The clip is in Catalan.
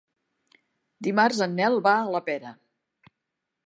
Dimarts en Nel va a la Pera.